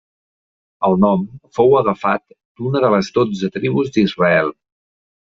El nom fou agafat d'una de les dotze tribus d'Israel.